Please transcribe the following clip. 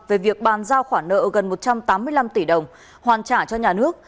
về việc bàn giao khoản nợ gần một trăm tám mươi năm tỷ đồng hoàn trả cho nhà nước